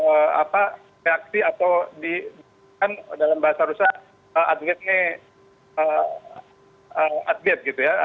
apa reaksi atau diberikan dalam bahasa rusia adget adget gitu ya